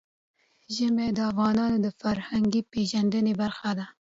ژمی د افغانانو د فرهنګي پیژندنې برخه ده.